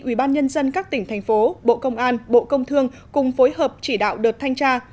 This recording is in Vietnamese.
ubnd các tỉnh thành phố bộ công an bộ công thương cùng phối hợp chỉ đạo đợt thanh tra